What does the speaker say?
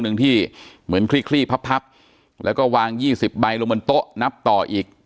หนึ่งที่เหมือนคลี่คลี่พับแล้วก็วางยี่สิบใบลงบนโต๊ะนับต่ออีก